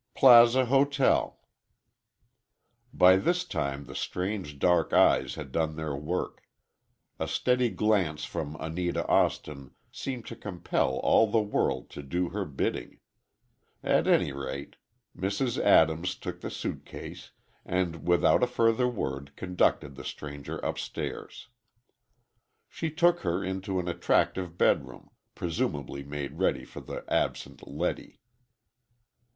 "Plaza Hotel." By this time the strange dark eyes had done their work. A steady glance from Anita Austin seemed to compel all the world to do her bidding. At any rate, Mrs. Adams took the suitcase, and without a further word conducted the stranger upstairs. She took her into an attractive bedroom, presumably made ready for the absent Letty.